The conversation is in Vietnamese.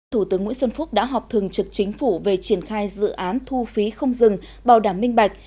thủ tướng nguyễn xuân phúc đã họp thường trực chính phủ về triển khai dự án thu phí không dừng bảo đảm minh bạch